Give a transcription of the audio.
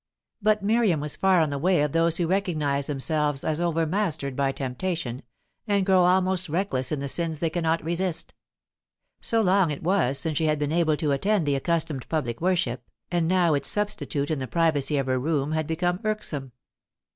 But Miriam was far on the way of those who recognize themselves as overmastered by temptation, and grow almost reckless in the sins they cannot resist. So long it was since she had been able to attend the accustomed public worship, and now its substitute in the privacy of her room had become irksome.